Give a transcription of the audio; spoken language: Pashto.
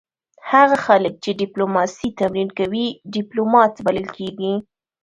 هغه خلک چې ډیپلوماسي تمرین کوي ډیپلومات بلل کیږي